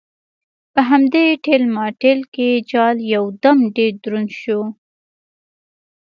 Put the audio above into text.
په همدې ټېل ماټېل کې جال یو دم ډېر دروند شو.